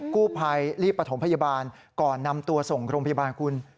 กู้ภัยรีบประถมพยาบาลก่อนนำตัวส่งโรงพยาบาลคุณ